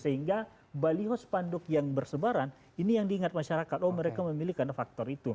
karena balyos panduk yang bersebaran ini yang diingat masyarakat oh mereka memiliki karena faktor itu